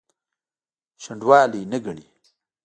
شنډوالي نه ګڼي.